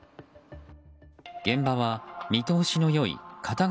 現場は見通しの良い片側